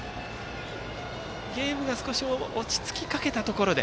ゲームが落ち着きかけたところで